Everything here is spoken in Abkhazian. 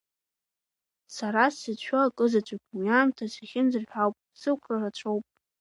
Сара сзыцәшәо акы заҵәык, уи аамҭа сахьымӡар ҳәа ауп, сықәра рацәоуп.